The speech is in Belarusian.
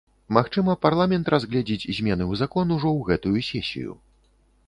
Магчыма, парламент разгледзіць змены ў закон ужо ў гэтую сесію.